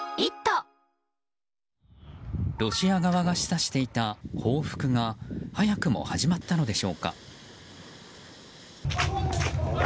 ロシア側が示唆していた報復が早くも始まったのでしょうか。